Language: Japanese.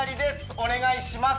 「お願いします」